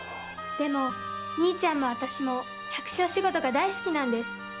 でも兄ちゃんもあたしも百姓仕事が大好きなんです。